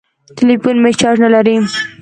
ټليفون مې چارچ نه لري.